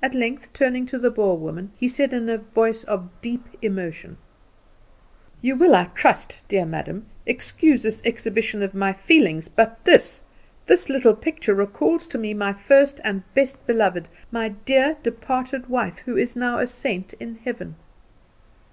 At length, turning to the Boer woman, he said, in a voice of deep emotion: "You will, I trust, dear madam, excuse this exhibition of my feelings; but this this little picture recalls to me my first and best beloved, my dear departed wife, who is now a saint in heaven."